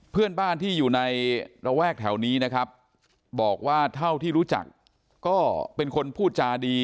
เพื่อนบ้านที่อยู่ในระแวกแถวนี้นะครับบอกว่าเท่าที่รู้จักก็เป็นคนพูดจาดี